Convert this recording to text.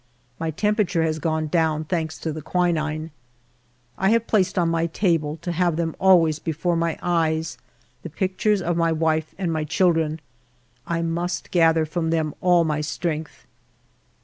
My temperature has gone down, thanks to the quinine. I have placed on my table, to have them always before my eyes, the pictures of my wife and my children. I must gather from them all my strength.